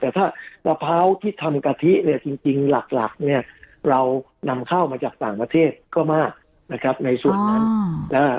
แต่ถ้ามะพร้าวที่ทำกะทิจริงหลักเรานำเข้ามาจากต่างประเทศก็มากในส่วนนั้น